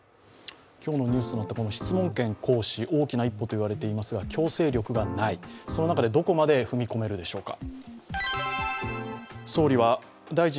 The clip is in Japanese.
今日のニュースのところに、質問権行使、大きな一歩といわれていますが強制力がない、その中でどこまで踏み切れるでしょうか。